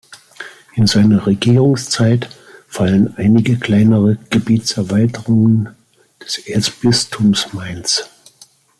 In seine Regierungszeit fallen einige kleinere Gebietserweiterungen des Erzbistums Mainz.